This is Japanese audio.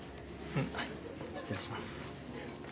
はい失礼します。